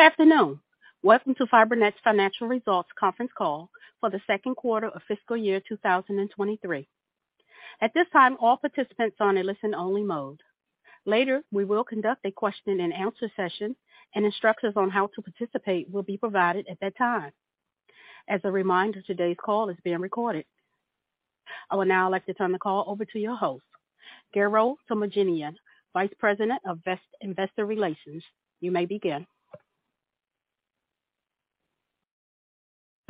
Good afternoon. Welcome to Fabrinet's Financial Results Conference Call for the Second Quarter of Fiscal Year 2023. At this time, all participants are on a listen-only mode. Later, we will conduct a question and answer session, and instructions on how to participate will be provided at that time. As a reminder, today's call is being recorded. I would now like to turn the call over to your host, Garo Toomajanian, Vice President of Investor Relations. You may begin.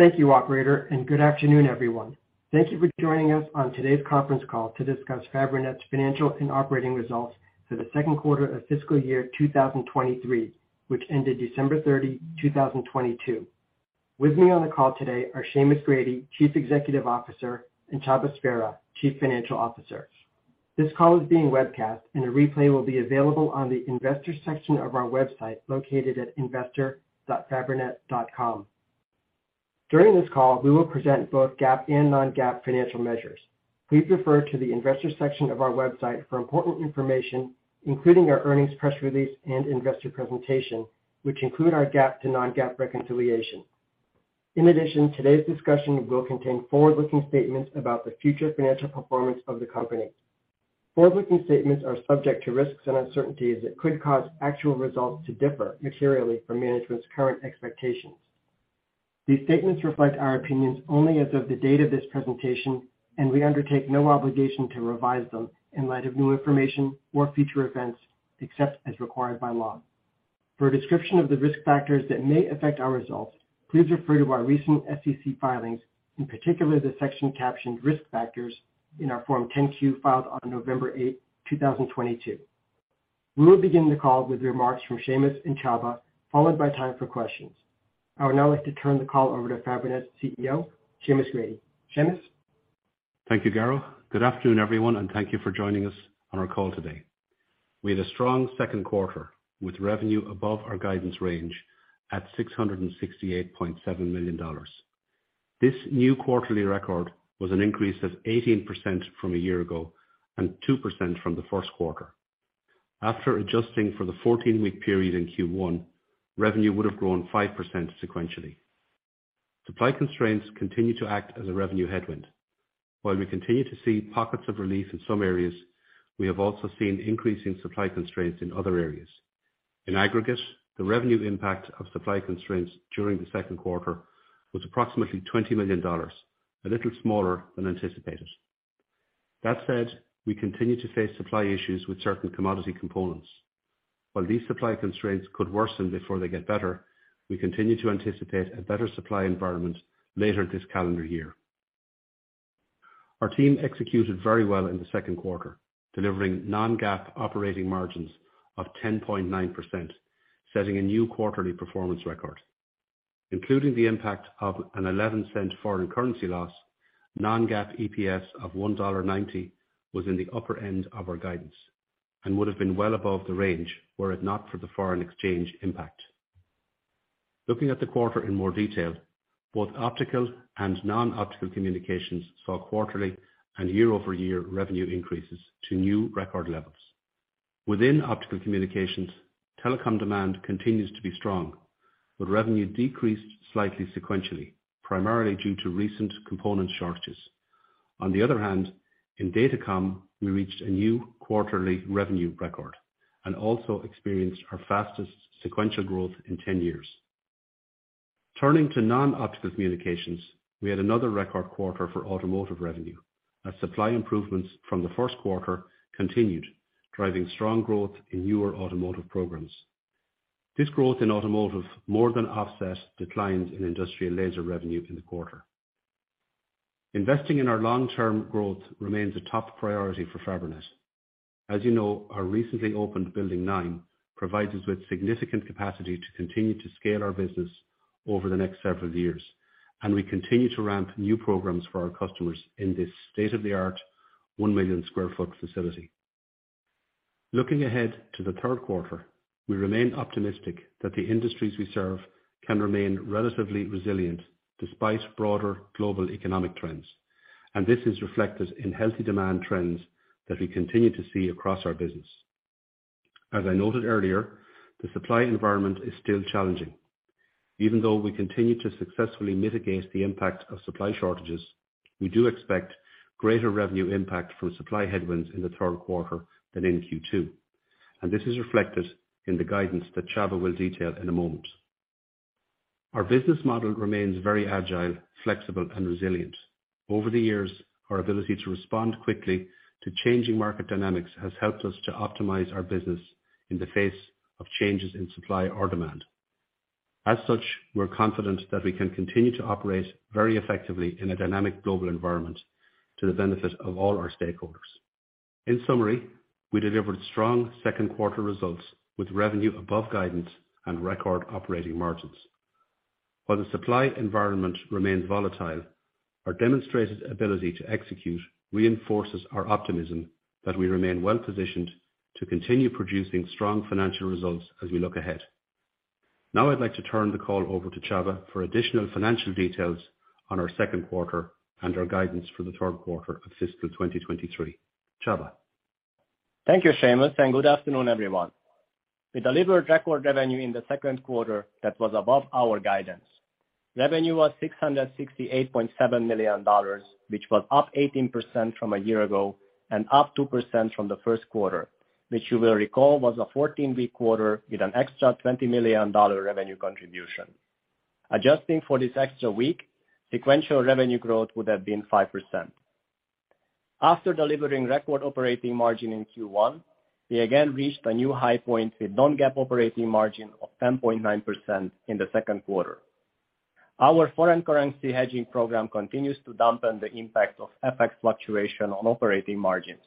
Thank you, operator, and good afternoon, everyone. Thank you for joining us on today's conference call to discuss Fabrinet's financial and operating results for the second quarter of fiscal year 2023, which ended December 30, 2022. With me on the call today are Seamus Grady, Chief Executive Officer, and Csaba Sverha, Chief Financial Officer. This call is being webcast and a replay will be available on the investor section of our website located at investor.fabrinet.com. During this call, we will present both GAAP and non-GAAP financial measures. Please refer to the investor section of our website for important information, including our earnings press release and investor presentation, which include our GAAP to non-GAAP reconciliation. In addition, today's discussion will contain forward-looking statements about the future financial performance of the company. Forward-looking statements are subject to risks and uncertainties that could cause actual results to differ materially from management's current expectations. These statements reflect our opinions only as of the date of this presentation, and we undertake no obligation to revise them in light of new information or future events, except as required by law. For a description of the risk factors that may affect our results, please refer to our recent SEC filings, in particular the section captioned Risk Factors in our Form 10-Q filed on November 8, 2022. We will begin the call with remarks from Seamus and Csaba, followed by time for questions. I would now like to turn the call over to Fabrinet's CEO, Seamus Grady. Seamus. Thank you, Garo. Good afternoon, everyone, thank you for joining us on our call today. We had a strong second quarter with revenue above our guidance range at $668.7 million. This new quarterly record was an increase of 18% from a year ago and 2% from the first quarter. After adjusting for the 14-week period in Q1, revenue would have grown 5% sequentially. Supply constraints continue to act as a revenue headwind. While we continue to see pockets of relief in some areas, we have also seen increasing supply constraints in other areas. In aggregate, the revenue impact of supply constraints during the second quarter was approximately $20 million, a little smaller than anticipated. That said, we continue to face supply issues with certain commodity components. These supply constraints could worsen before they get better, we continue to anticipate a better supply environment later this calendar year. Our team executed very well in the second quarter, delivering non-GAAP operating margins of 10.9%, setting a new quarterly performance record. Including the impact of an $0.11 foreign currency loss, non-GAAP EPS of $1.90 was in the upper end of our guidance and would have been well above the range were it not for the foreign exchange impact. Looking at the quarter in more detail, both optical and non-optical communications saw quarterly and year-over-year revenue increases to new record levels. Within optical communications, telecom demand continues to be strong, revenue decreased slightly sequentially, primarily due to recent component shortages. On the other hand, in Datacom, we reached a new quarterly revenue record and also experienced our fastest sequential growth in 10 years. Turning to non-optical communications, we had another record quarter for automotive revenue as supply improvements from the first quarter continued, driving strong growth in newer automotive programs. This growth in automotive more than offset declines in industrial laser revenue in the quarter. Investing in our long-term growth remains a top priority for Fabrinet. As you know, our recently opened Building 9 provides us with significant capacity to continue to scale our business over the next several years, we continue to ramp new programs for our customers in this state-of-the-art 1 million sq ft facility. Looking ahead to the third quarter, we remain optimistic that the industries we serve can remain relatively resilient despite broader global economic trends, this is reflected in healthy demand trends that we continue to see across our business. As I noted earlier, the supply environment is still challenging. We continue to successfully mitigate the impact of supply shortages, we do expect greater revenue impact from supply headwinds in the third quarter than in Q2, and this is reflected in the guidance that Csaba will detail in a moment. Our business model remains very agile, flexible and resilient. Over the years, our ability to respond quickly to changing market dynamics has helped us to optimize our business in the face of changes in supply or demand. We're confident that we can continue to operate very effectively in a dynamic global environment to the benefit of all our stakeholders. We delivered strong second quarter results with revenue above guidance and record operating margins. The supply environment remains volatile, our demonstrated ability to execute reinforces our optimism that we remain well-positioned to continue producing strong financial results as we look ahead. Now I'd like to turn the call over to Csaba for additional financial details on our second quarter and our guidance for the third quarter of fiscal 2023. Csaba. Thank you, Seamus, and good afternoon, everyone. We delivered record revenue in the second quarter that was above our guidance. Revenue was $668.7 million, which was up 18% from a year ago and up 2% from the first quarter, which you will recall was a 14-week quarter with an extra $20 million revenue contribution. Adjusting for this extra week, sequential revenue growth would have been 5%. After delivering record operating margin in Q1, we again reached a new high point with non-GAAP operating margin of 10.9% in the second quarter. Our foreign currency hedging program continues to dampen the impact of FX fluctuation on operating margins,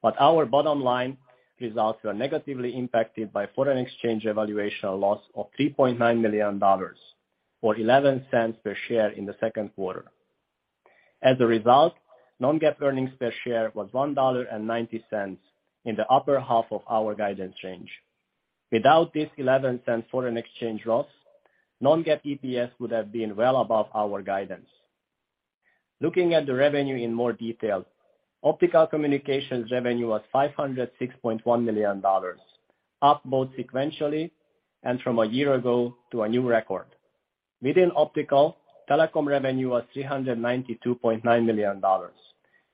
but our bottom line results were negatively impacted by foreign exchange evaluation loss of $3.9 million, or $0.11 per share in the second quarter. As a result, non-GAAP earnings per share was $1.90 in the upper half of our guidance range. Without this $0.11 foreign exchange loss, non-GAAP EPS would have been well above our guidance. Looking at the revenue in more detail, optical communications revenue was $506.1 million, up both sequentially and from a year-ago to a new record. Within optical, Telecom revenue was $392.9 million,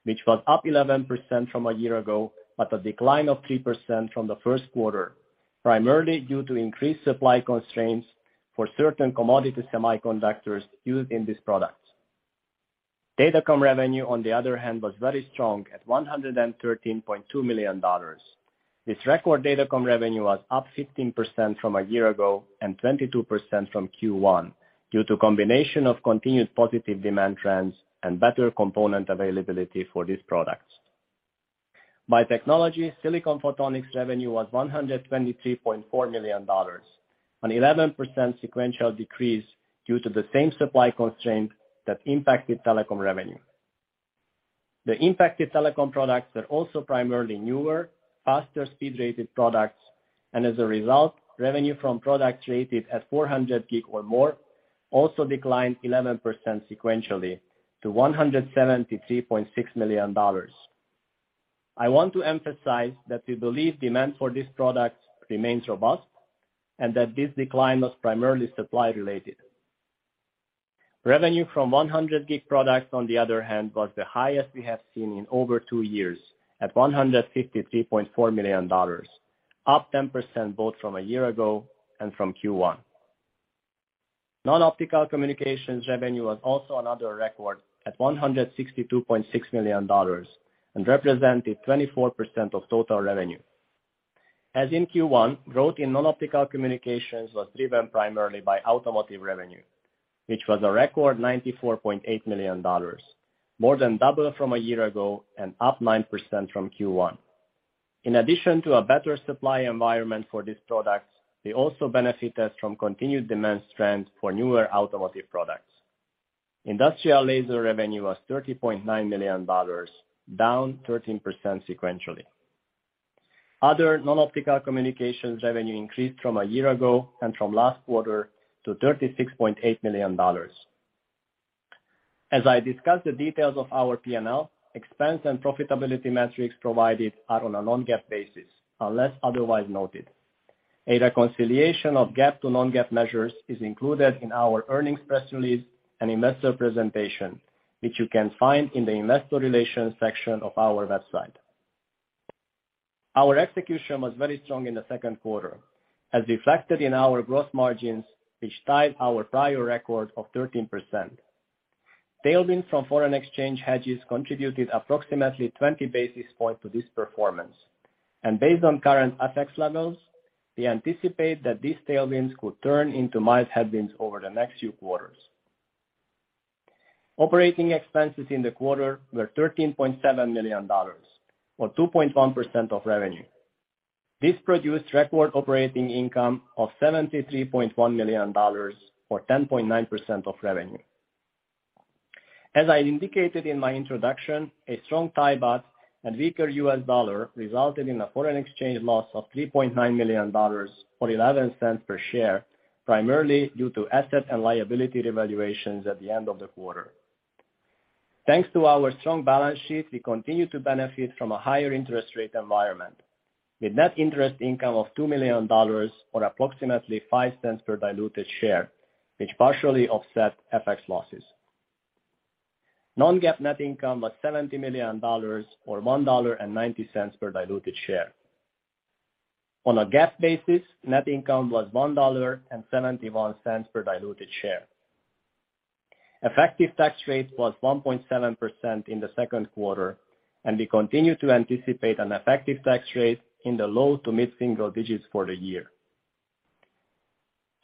which was up 11% from a year-ago, but a decline of 3% from the first quarter, primarily due to increased supply constraints for certain commodity semiconductors used in these products. Datacom revenue, on the other hand, was very strong at $113.2 million. This record Datacom revenue was up 15% from a year ago and 22% from Q1 due to combination of continued positive demand trends and better component availability for these products. By technology, Silicon Photonics revenue was $123.4 million, an 11% sequential decrease due to the same supply constraint that impacted Telecom revenue. The impacted telecom products are also primarily newer, faster speed-rated products, and as a result, revenue from products rated at 400 gig or more also declined 11% sequentially to $173.6 million. I want to emphasize that we believe demand for these products remains robust and that this decline was primarily supply related. Revenue from 100G products, on the other hand, was the highest we have seen in over two years, at $153.4 million, up 10% both from a year-ago and from Q1. Non-optical communications revenue was also another record at $162.6 million and represented 24% of total revenue. As in Q1, growth in non-optical communications was driven primarily by automotive revenue, which was a record $94.8 million, more than double from a year-ago and up 9% from Q1. In addition to a better supply environment for these products, we also benefited from continued demand strength for newer automotive products. Industrial laser revenue was $30.9 million, down 13% sequentially. Other non-optical communications revenue increased from a year ago and from last quarter to $36.8 million. As I discussed the details of our P&L, expense and profitability metrics provided are on a non-GAAP basis, unless otherwise noted. A reconciliation of GAAP to non-GAAP measures is included in our earnings press release and investor presentation, which you can find in the Investor Relations section of our website. Our execution was very strong in the second quarter, as reflected in our gross margins, which tied our prior record of 13%. Tailwinds from foreign exchange hedges contributed approximately 20 basis point to this performance, based on current FX levels, we anticipate that these tailwinds could turn into mild headwinds over the next few quarters. Operating expenses in the quarter were $13.7 million, or 2.1% of revenue. This produced record operating income of $73.1 million, or 10.9% of revenue. As I indicated in my introduction, a strong Thai baht and weaker US dollar resulted in a foreign exchange loss of $3.9 million, or $0.11 per share, primarily due to asset and liability revaluations at the end of the quarter. Thanks to our strong balance sheet, we continue to benefit from a higher interest rate environment, with net interest income of $2 million, or approximately $0.05 per diluted share, which partially offset FX losses. non-GAAP net income was $70 million, or $1.90 per diluted share. On a GAAP basis, net income was $1.71 per diluted share. Effective tax rate was 1.7% in the second quarter. We continue to anticipate an effective tax rate in the low to mid-single digits for the year.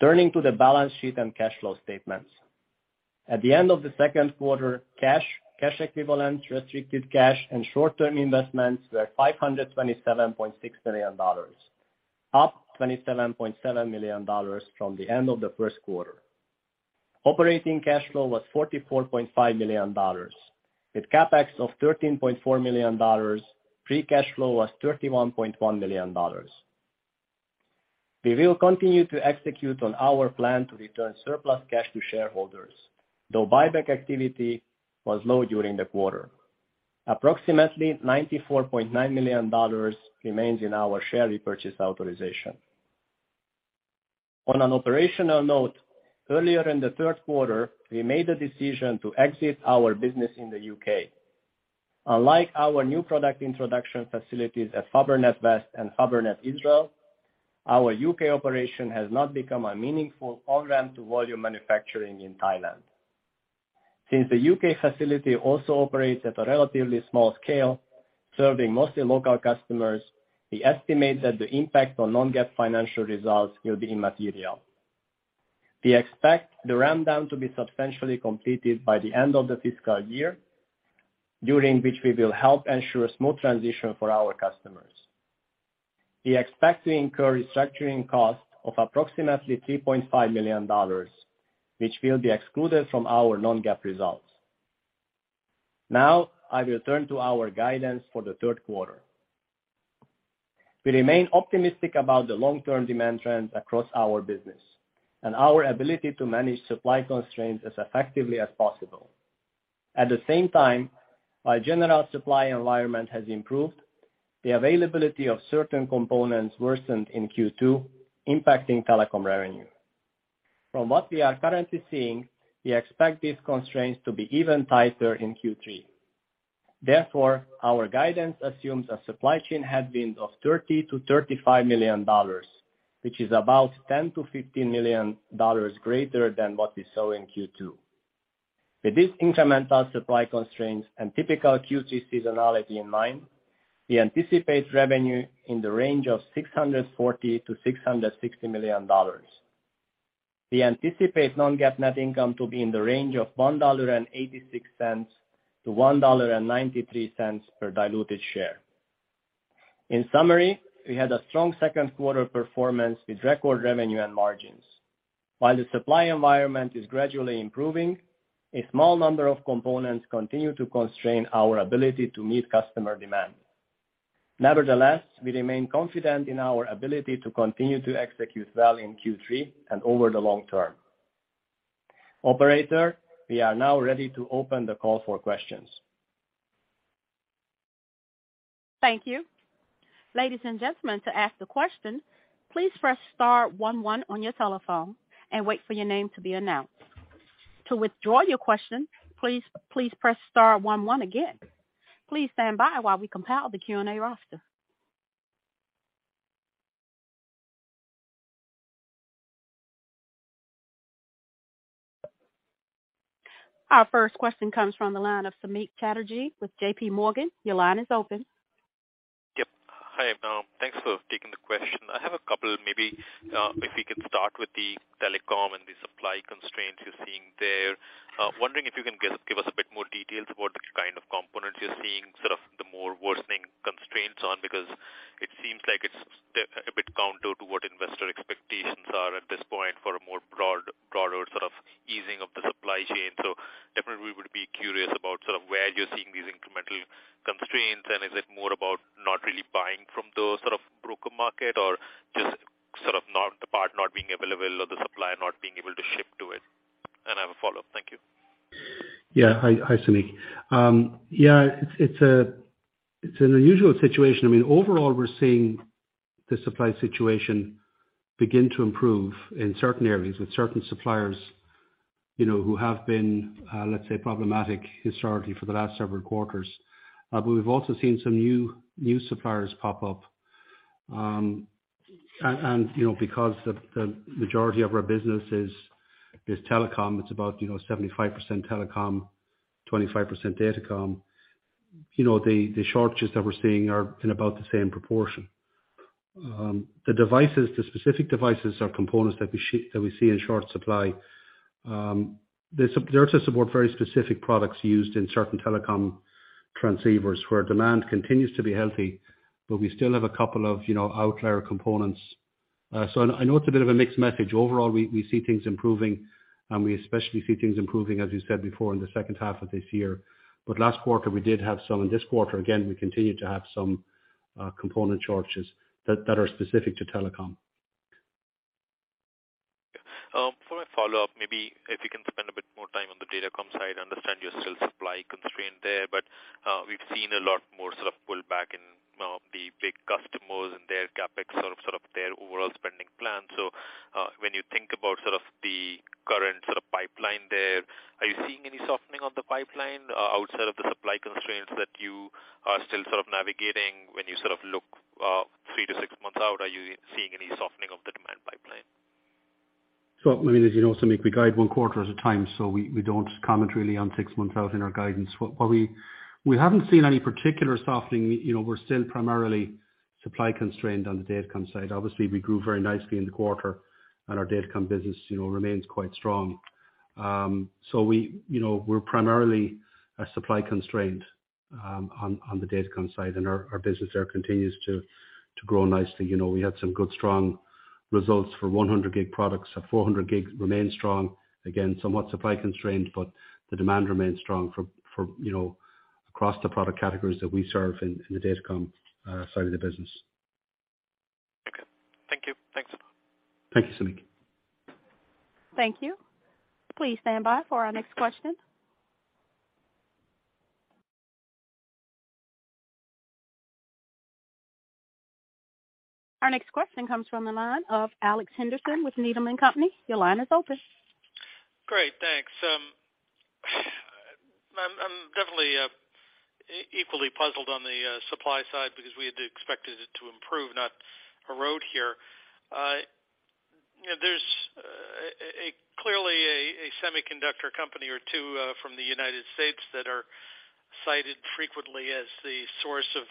Turning to the balance sheet and cash flow statements. At the end of the second quarter, cash equivalents, restricted cash, and short-term investments were $527.6 million, up $27.7 million from the end of the first quarter. Operating cash flow was $44.5 million. With CapEx of $13.4 million, free cash flow was $31.1 million. We will continue to execute on our plan to return surplus cash to shareholders, though buyback activity was low during the quarter. Approximately $94.9 million remains in our share repurchase authorization. On an operational note, earlier in the third quarter, we made the decision to exit our business in the U.K. Unlike our new product introduction facilities at Fabrinet West and Fabrinet Israel, our U.K. operation has not become a meaningful on-ramp to volume manufacturing in Thailand. Since the U.K. facility also operates at a relatively small scale, serving mostly local customers, we estimate that the impact on non-GAAP financial results will be immaterial. We expect the ramp-down to be substantially completed by the end of the fiscal year, during which we will help ensure a smooth transition for our customers. We expect to incur restructuring costs of approximately $3.5 million, which will be excluded from our non-GAAP results. I will turn to our guidance for the third quarter. We remain optimistic about the long-term demand trends across our business and our ability to manage supply constraints as effectively as possible. At the same time, while general supply environment has improved, the availability of certain components worsened in Q2, impacting Telecom revenue. From what we are currently seeing, we expect these constraints to be even tighter in Q3. Therefore, our guidance assumes a supply chain headwind of $30 million-$35 million, which is about $10 million-$15 million greater than what we saw in Q2. With this incremental supply constraints and typical Q3 seasonality in mind, we anticipate revenue in the range of $640 million-$660 million. We anticipate non-GAAP net income to be in the range of $1.86-$1.93 per diluted share. In summary, we had a strong second quarter performance with record revenue and margins. While the supply environment is gradually improving, a small number of components continue to constrain our ability to meet customer demand. Nevertheless, we remain confident in our ability to continue to execute well in Q3 and over the long term. Operator, we are now ready to open the call for questions. Thank you. Ladies and gentlemen, to ask the question, please press star one one on your telephone and wait for your name to be announced. To withdraw your question, please press star one one again. Please stand by while we compile the Q&A roster. Our first question comes from the line of Samik Chatterjee with JPMorgan. Your line is open. Yep. Hi, thanks for taking the question. I have a couple, maybe, if we can start with the Telecom and the supply constraints you're seeing there. Wondering if you can give us a bit more details about which kind of components you're seeing, sort of the more worsening constraints on, because it seems like it's a bit counter to what investor expectations are at this point for a broader sort of easing of the supply chain. Definitely would be curious about sort of where you're seeing these incremental constraints. Is it more about not really buying from those sort of broker market or just sort of not, the part not being available or the supplier not being able to ship to it? I have a follow-up. Thank you. Hi, Samik. It's an unusual situation. I mean, overall, we're seeing the supply situation begin to improve in certain areas with certain suppliers, you know, who have been, let's say, problematic historically for the last several quarters. We've also seen some new suppliers pop up. You know, because the majority of our business is Telecom, it's about, you know, 75% telecom, 25% datacom. You know, the shortages that we're seeing are in about the same proportion. The specific devices are components that we see in short supply. They're to support very specific products used in certain telecom transceivers where demand continues to be healthy, but we still have a couple of, you know, outlier components. I know it's a bit of a mixed message. Overall, we see things improving, and we especially see things improving, as you said before, in the second half of this year. Last quarter, we did have some, and this quarter again, we continue to have some component shortages that are specific to Telecom. Yeah. For my follow-up, maybe if you can spend a bit more time on the Datacom side. Understand you're still supply constrained there, but, we've seen a lot more sort of pull back in the big customers and their CapEx sort of their overall spending plan. When you think about sort of the current sort of pipeline there, are you seeing any softening of the pipeline, outside of the supply constraints that you are still sort of navigating when you sort of look, three to six months out? Are you seeing any softening of the demand pipeline? I mean, as you know, Samik, we guide one quarter at a time. We don't comment really on six months out in our guidance. We haven't seen any particular softening. You know, we're still primarily supply constrained on the Datacom side. Obviously, we grew very nicely in the quarter and our Datacom business, you know, remains quite strong. We, you know, we're primarily a supply constrained on the Datacom side and our business there continues to grow nicely. You know, we had some good strong results for 100G products. Our 400G remains strong, again, somewhat supply constrained, but the demand remains strong for, you know- Across the product categories that we serve in the Datacom side of the business. Okay. Thank you. Thanks. Thank you, Suneet. Thank you. Please stand by for our next question. Our next question comes from the line of Alex Henderson with Needham & Company. Your line is open. Great, thanks. I'm definitely equally puzzled on the supply side because we had expected it to improve, not erode here. You know, there's clearly a semiconductor company or two from the United States that are cited frequently as the source of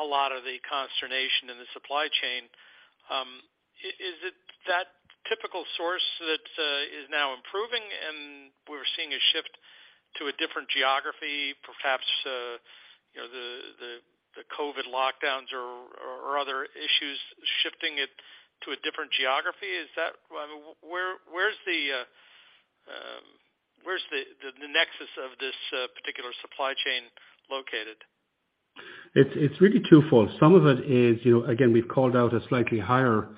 a lot of the consternation in the supply chain. Is it that typical source that is now improving and we're seeing a shift to a different geography, perhaps, you know, the COVID lockdowns or other issues shifting it to a different geography? Is that? Where's the nexus of this particular supply chain located? It's really twofold. Some of it is, you know, again, we've called out a slightly higher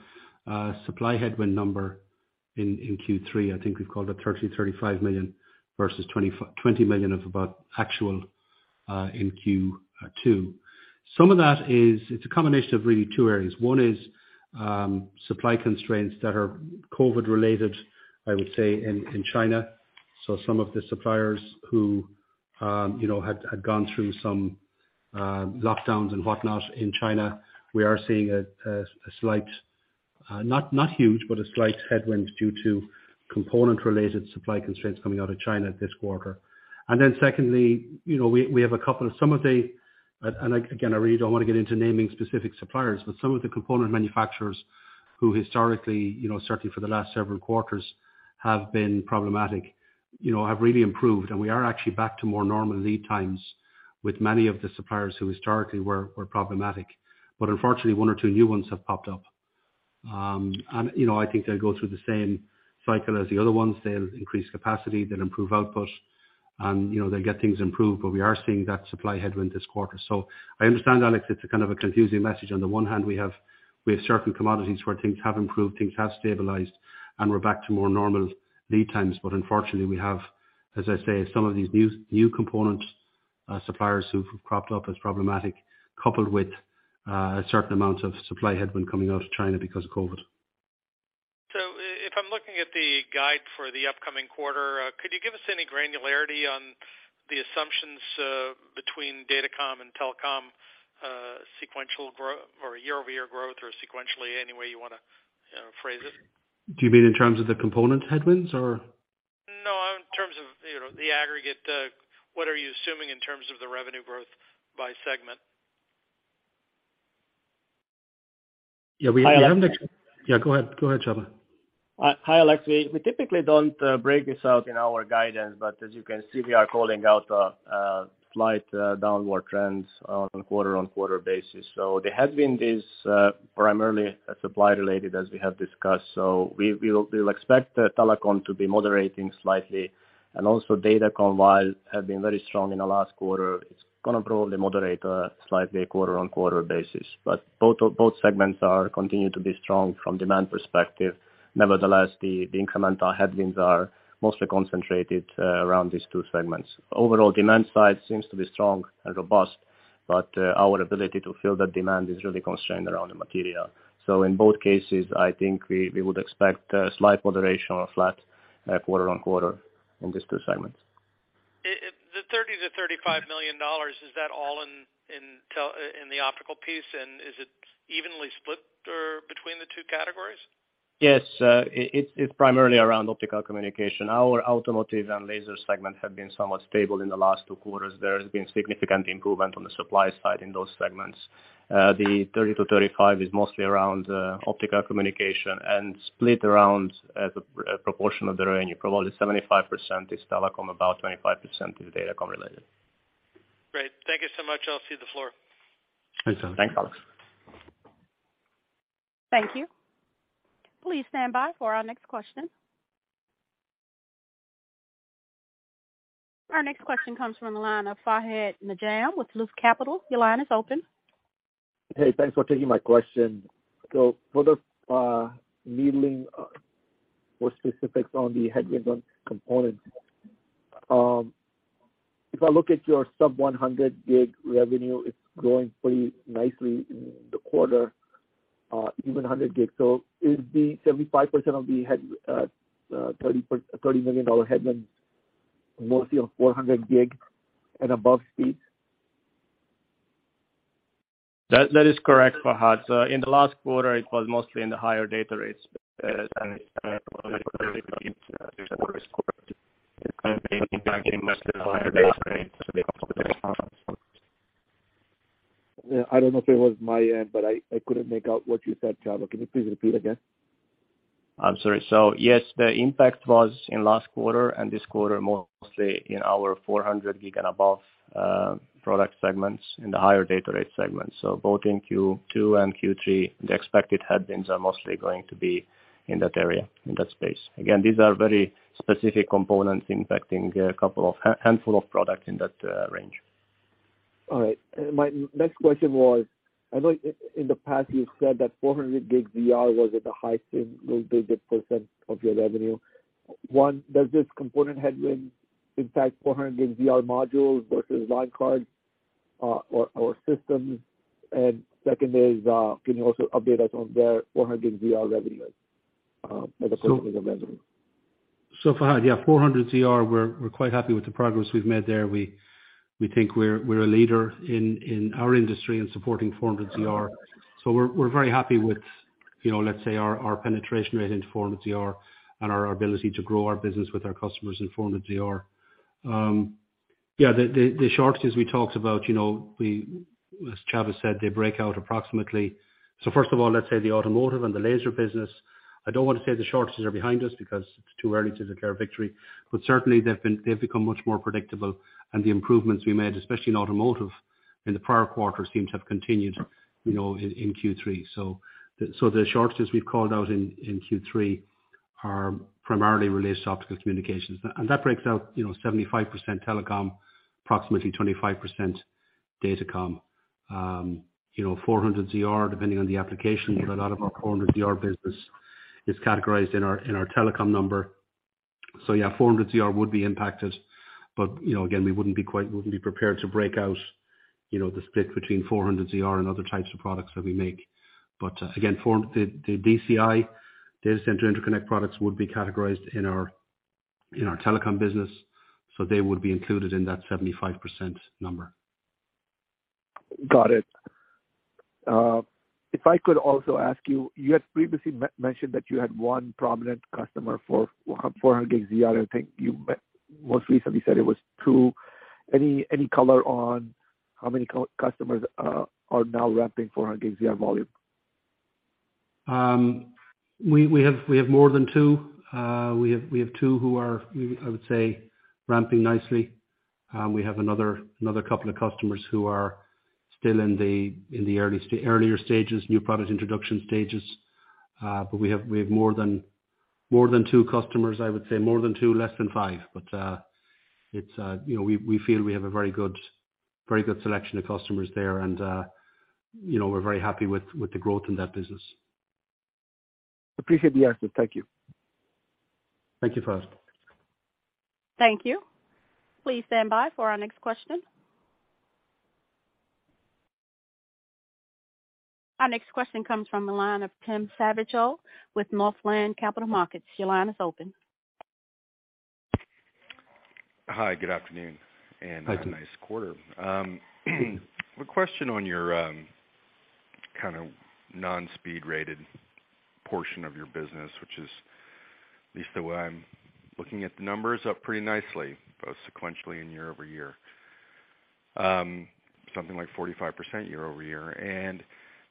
supply headwind number in Q3. I think we've called it $30 million-$35 million versus $20 million of about actual in Q2. Some of that is it's a combination of really two areas. One is, supply constraints that are COVID related, I would say, in China. Some of the suppliers who, you know, had gone through some lockdowns and whatnot in China, we are seeing a slight, not huge, but a slight headwind due to component related supply constraints coming out of China this quarter. Secondly, you know, we have a couple of some of the... Again, I really don't wanna get into naming specific suppliers. Some of the component manufacturers who historically, you know, certainly for the last several quarters, have been problematic, you know, have really improved. We are actually back to more normal lead times with many of the suppliers who historically were problematic. Unfortunately, one or two new ones have popped up. You know, I think they'll go through the same cycle as the other ones. They'll increase capacity, they'll improve output, and, you know, they'll get things improved. We are seeing that supply headwind this quarter. I understand, Alex, it's a kind of a confusing message. On the one hand, we have certain commodities where things have improved, things have stabilized, and we're back to more normal lead times. Unfortunately, we have, as I say, some of these new component suppliers who've cropped up as problematic, coupled with, a certain amount of supply headwind coming out of China because of COVID. If I'm looking at the guide for the upcoming quarter, could you give us any granularity on the assumptions between Datacom and Telecom, sequential or year-over-year growth or sequentially, any way you wanna phrase it? Do you mean in terms of the component headwinds or? No, in terms of, you know, the aggregate. What are you assuming in terms of the revenue growth by segment? Yeah, we have. Hi, Alex. Yeah, go ahead. Go ahead, Csaba. Hi, Alex. We typically don't break this out in our guidance, but as you can see, we are calling out a slight downward trends on a quarter-on-quarter basis. There have been these, primarily supply related, as we have discussed. We will expect the Telecom to be moderating slightly. Also Datacom, while have been very strong in the last quarter, it's gonna probably moderate slightly quarter-on-quarter basis. Both segments are continuing to be strong from demand perspective. Nevertheless, the incremental headwinds are mostly concentrated around these two segments. Overall demand side seems to be strong and robust, but our ability to fill that demand is really constrained around the material. In both cases, I think we would expect a slight moderation or flat quarter-over-quarter in these two segments. The $30 million-$35 million, is that all in the optical piece? Is it evenly split or between the two categories? Yes. It's primarily around optical communication. Our Automotive and Laser segment have been somewhat stable in the last two quarters. There has been significant improvement on the supply side in those segments. The 30%-35% is mostly around optical communication and split around as a proportion of the revenue. Probably 75% is telecom, about 25% is datacom related. Great. Thank you so much. I'll cede the floor. Thanks, Alex. Thanks, Alex. Thank you. Please stand by for our next question. Our next question comes from the line of Fahad Najam with Loop Capital. Your line is open. Hey, thanks for taking my question. Further, needling for specifics on the headwinds on components. If I look at your sub 100G revenue, it's growing pretty nicely in the quarter, even 100G. Is the 75% of the $30 million headwind mostly on 400G and above speeds? That is correct, Fahad. In the last quarter, it was mostly in the higher data rates. Yeah. I don't know if it was my end, but I couldn't make out what you said, Csaba. Can you please repeat again? I'm sorry. Yes, the impact was in last quarter and this quarter mostly in our 400G and above product segments in the higher data rate segments. Both in Q2 and Q3, the expected headwinds are mostly going to be in that area, in that space. Again, these are very specific components impacting a couple of handful of products in that range. All right. My next question was, I know in the past you said that 400G ZR was at the high single digit precent of your revenue. One, does this component headwind impact 400ZR modules versus line card, or systems? Second is, can you also update us on where 400ZR revenue is as a % of revenue? Fahad, yeah, 400ZR we're quite happy with the progress we've made there. We think we're a leader in our industry in supporting 400ZR. We're very happy with, you know, let's say our penetration rate in 400ZR and our ability to grow our business with our customers in 400ZR. Yeah, the shortages we talked about, you know, we, as Csaba said, they break out approximately. First of all, let's say the Automotive and the Laser business, I don't want to say the shortages are behind us because it's too early to declare victory, but certainly they've become much more predictable. The improvements we made, especially in automotive in the prior quarter, seem to have continued, you know, in Q3. The shortages we've called out in Q3 are primarily related to optical communications. And that breaks out, you know, 75% telecom, approximately 25% datacom. You know, 400ZR, depending on the application, a lot of our 400ZR business is categorized in our Telecom number. Yeah, 400ZR would be impacted. You know, again, we wouldn't be prepared to break out, you know, the split between 400ZR and other types of products that we make. Again, the DCI, Data Center Interconnect products would be categorized in our Telecom business, so they would be included in that 75% number. Got it. If I could also ask you had previously mentioned that you had one prominent customer for 400ZR. I think you most recently said it was two. Any color on how many customers are now ramping 400ZR volume? We have more than two. We have two who are, I would say ramping nicely. We have another couple of customers who are still in the earlier stages, new product introduction stages. We have more than two customers, I would say more than two, less than five. You know, we feel we have a very good selection of customers there. You know, we're very happy with the growth in that business. Appreciate the answer. Thank you. Thank you, Fahad. Thank you. Please stand by for our next question. Our next question comes from the line of Tim Savageaux with Northland Capital Markets. Your line is open. Hi, good afternoon. Hi, Tim. Nice quarter. A question on your kind of non-speed graded portion of your business, which is at least the way I'm looking at the numbers, up pretty nicely, both sequentially and year-over-year. Something like 45% year-over-year.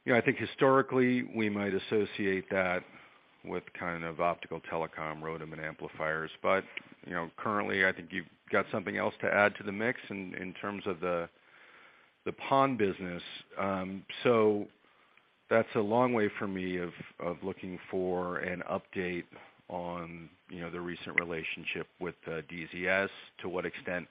You know, I think historically we might associate that with kind of optical telecom ROADM and amplifiers. You know, currently, I think you've got something else to add to the mix in terms of the PON business. That's a long way for me of looking for an update on, you know, the recent relationship with DZS. To what extent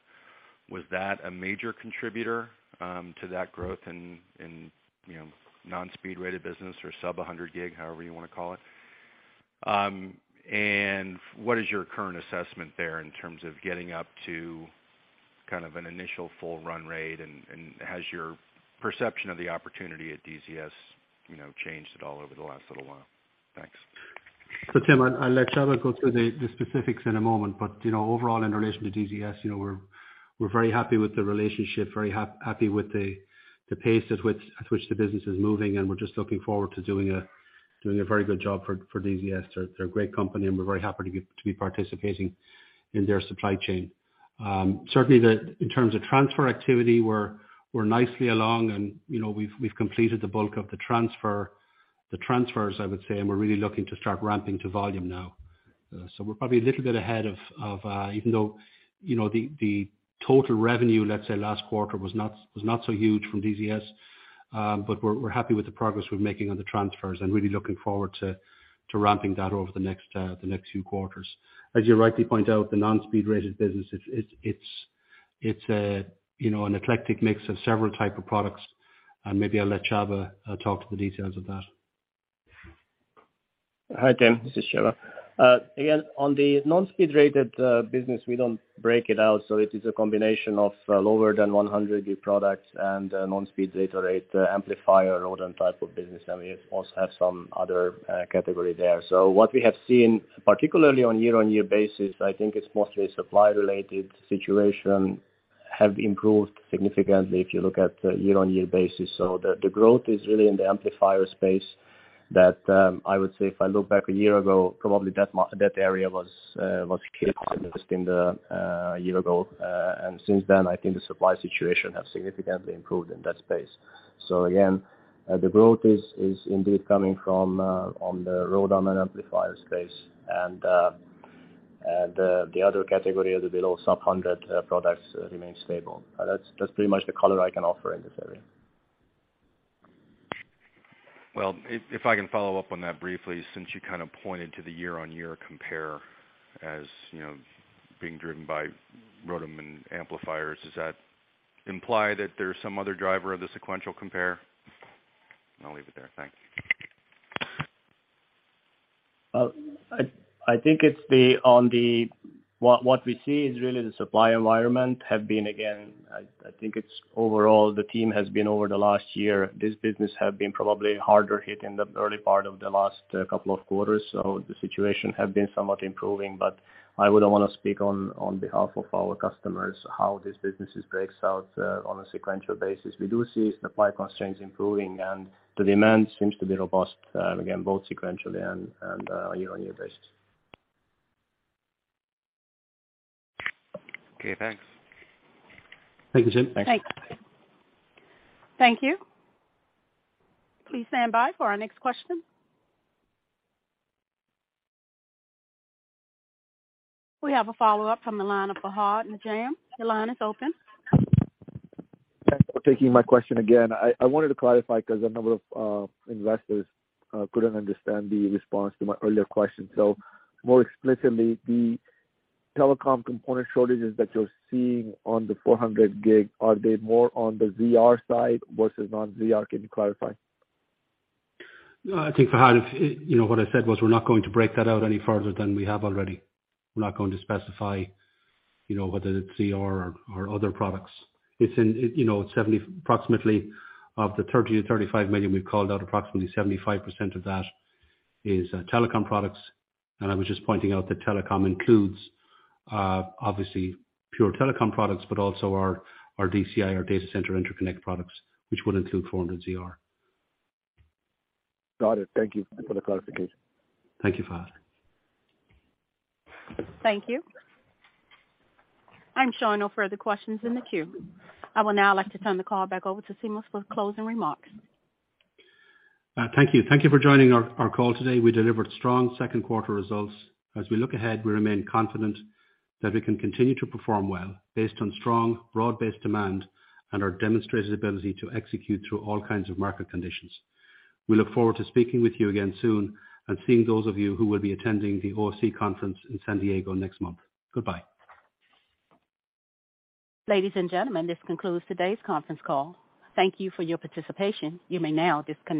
was that a major contributor to that growth in, you know, non-speed rated business or sub 100G, however you wanna call it? What is your current assessment there in terms of getting up to kind of an initial full run rate? Has your perception of the opportunity at DZS, you know, changed at all over the last little while? Thanks. Tim, I'll let Csaba go through the specifics in a moment. you know, overall in relation to DZS, you know, we're very happy with the relationship, very happy with the pace at which the business is moving. We're just looking forward to doing a very good job for DZS. They're a great company, and we're very happy to be participating in their supply chain. Certainly, in terms of transfer activity, we're nicely along and, you know, we've completed the bulk of the transfers, I would say, and we're really looking to start ramping to volume now. We're probably a little bit ahead of even though, you know, the total revenue, let's say last quarter was not so huge from DZS. We're happy with the progress we're making on the transfers and really looking forward to ramping that over the next few quarters. As you rightly point out, the non-speed rated business, it's a, you know, an eclectic mix of several type of products. Maybe I'll let Csaba talk to the details of that. Hi, Tim. This is Csaba. Again, on the non-speed rated business, we don't break it out. It is a combination of lower than 100G products and non-speed data rate amplifier ROADM type of business. We also have some other category there. What we have seen, particularly on year-on-year basis, I think it's mostly supply related situation have improved significantly if you look at the year-on-year basis. The growth is really in the amplifier space that, I would say if I look back a year ago, probably that area was in the year ago. Since then, I think the supply situation have significantly improved in that space. Again, the growth is indeed coming from on the ROADM and amplifier space. The other category of the below sub 100 products remain stable. That's pretty much the color I can offer in this area. Well, if I can follow up on that briefly, since you kind of pointed to the year-on-year compare as, you know, being driven by ROADM and amplifiers, does that imply that there's some other driver of the sequential compare? I'll leave it there. Thanks. I think what we see is really the supply environment have been, again, I think it's overall the team has been over the last year, this business have been probably harder hit in the early part of the last couple of quarters. The situation have been somewhat improving, but I wouldn't wanna speak on behalf of our customers how this businesses breaks out on a sequential basis. We do see supply constraints improving, and the demand seems to be robust, again, both sequentially and year-on-year basis. Okay, thanks. Thank you, Tim. Thanks. Thank you. Please stand by for our next question. We have a follow-up from the line of Fahad Najam. Your line is open. Thanks for taking my question again. I wanted to clarify 'cause a number of investors couldn't understand the response to my earlier question. More explicitly, the Telecom component shortages that you're seeing on the 400G, are they more on the ZR side versus non-ZR? Can you clarify? I think, Fahad, if, you know, what I said was we're not going to break that out any further than we have already. We're not going to specify, you know, whether it's ZR or other products. It's in, you know, approximately of the $30 million-$35 million we've called out, approximately 75% of that is Telecom products. I was just pointing out that Telecom includes, obviously pure telecom products, but also our DCI, our Data Center Interconnect products, which would include 400ZR. Got it. Thank you for the clarification. Thank you, Fahad. Thank you. I'm showing no further questions in the queue. I will now like to turn the call back over to Seamus for closing remarks. Thank you. Thank you for joining our call today. We delivered strong second quarter results. As we look ahead, we remain confident that we can continue to perform well based on strong broad-based demand and our demonstrated ability to execute through all kinds of market conditions. We look forward to speaking with you again soon and seeing those of you who will be attending the OFC conference in San Diego next month. Goodbye. Ladies and gentlemen, this concludes today's conference call. Thank you for your participation. You may now disconnect.